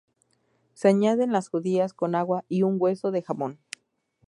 Se añaden las judías con agua y un hueso de jamón.